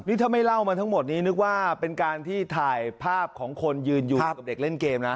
นี่ถ้าไม่เล่ามาทั้งหมดนี้นึกว่าเป็นการที่ถ่ายภาพของคนยืนอยู่กับเด็กเล่นเกมนะ